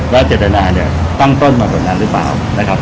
เจตนาเนี่ยตั้งต้นมากว่านั้นหรือเปล่านะครับ